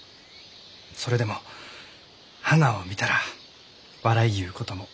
それでも花を見たら笑いゆうことも。